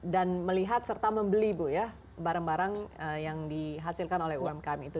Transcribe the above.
dan melihat serta membeli mbak ya barang barang yang dihasilkan oleh umkm itu